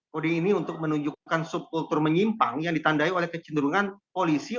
koding ini untuk menunjukkan subkultur menyimpang yang ditandai oleh kecenderungan polisi